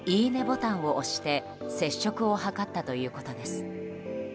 ボタンを押して接触を図ったということです。